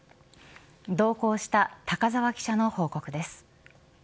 同行した高沢記者の報告です。